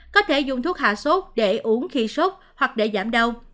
có thể dùng thuốc hạ sốt để uống khi sốt hoặc để giảm đau